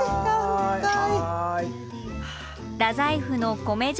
すごい。